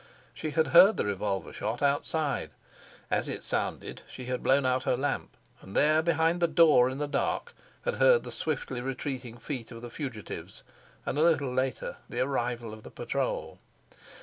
She had heard the revolver shot outside; as it sounded she had blown out her lamp, and there behind the door in the dark had heard the swiftly retreating feet of the fugitives and, a little later, the arrival of the patrol.